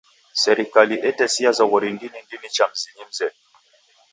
Serikali etesia zoghori ndini ndini cha mzinyi mzedu.